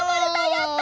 やった！